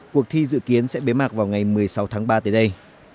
cuộc thi dự kiến sẽ bế mạc vào ngày một mươi sáu tháng ba tới đây